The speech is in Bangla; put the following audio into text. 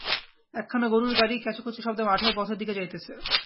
একখানা গরুর গাড়ি ক্যাঁচু ক্যাঁচু শব্দে মাঠের পথের দিকে যাইতেছে।